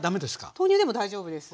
豆乳でも大丈夫です。